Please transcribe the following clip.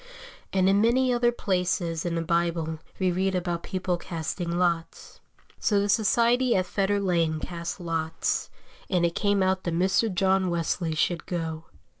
And in many other places in the Bible we read about people casting lots. So the society at Fetter Lane cast lots, and it came out that Mr. John Wesley should go.